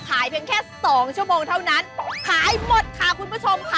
เพียงแค่สองชั่วโมงเท่านั้นขายหมดค่ะคุณผู้ชมค่ะ